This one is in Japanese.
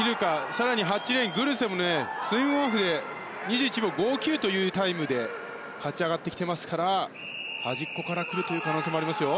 更に、８レーングルセもスイムオフで２１秒５９というタイムで勝ち上がってきていますから端っこからくる可能性もありますよ。